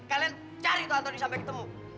kalian cari tuh antoni sampai ketemu